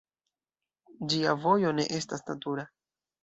Ĝia vojo ne estas natura.